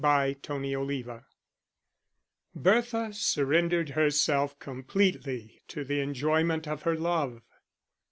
Chapter VI Bertha surrendered herself completely to the enjoyment of her love.